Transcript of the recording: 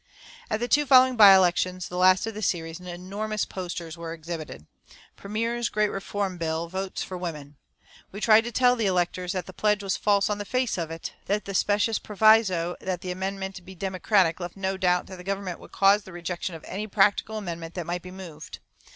At the two following by elections, the last of the series, enormous posters were exhibited, "Premier's Great Reform Bill: Votes for Women." We tried to tell the electors that the pledge was false on the face of it; that the specious proviso that the amendment be "democratic" left no doubt that the Government would cause the rejection of any practical amendment that might be moved.